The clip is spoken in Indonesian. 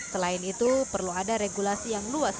selain itu perlu ada regulasi yang luas